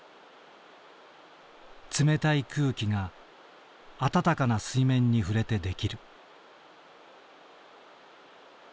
冷たい空気が温かな水面に触れて出来る。